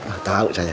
oh tau saya